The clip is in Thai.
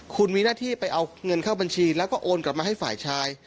คุณมีหน้าที่ไปเอาเงินเข้าบัญชีแล้วก็โอนกลับมาให้ฝ่ายชาย